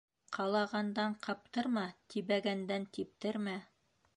Ҡалағандан ҡаптырма, тибәгәндән типтермә;